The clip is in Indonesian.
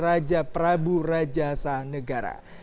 raja prabu rajasa negara